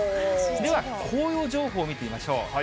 では、紅葉情報を見てみましょう。